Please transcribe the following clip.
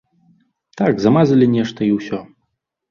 Так, замазалі нешта, і ўсё.